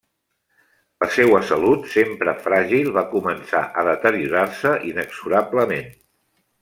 La seua salut, sempre fràgil, va començar a deteriorar-se inexorablement.